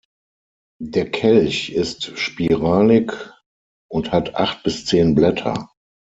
Der Kelch ist spiralig und hat acht bis zehn Blätter.